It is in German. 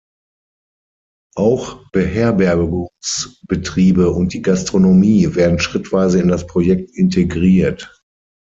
Auch Beherbergungsbetriebe und die Gastronomie werden schrittweise in das Projekt integriert.